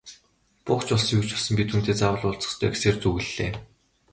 Буг ч болсон, юу ч болсон би түүнтэй заавал уулзах ёстой гэсээр зүглэлээ.